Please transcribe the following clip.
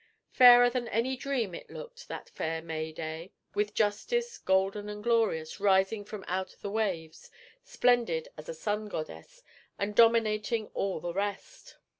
Fairer than any dream it looked that fair May day, with Justice, golden and glorious, rising from out the waves, splendid as a sun goddess, and dominating all the rest.